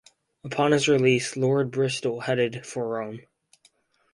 Upon his release, Lord Bristol headed for Rome.